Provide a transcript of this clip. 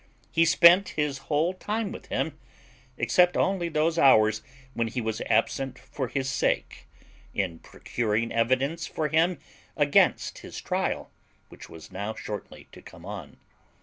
He spent his whole time with him, except only those hours when he was absent for his sake, in procuring evidence for him against his trial, which was now shortly to come on.